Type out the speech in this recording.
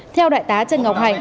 theo đại tá trần ngọc hạnh